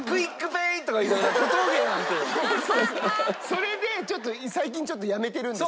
それでちょっと最近ちょっとやめてるんですけど。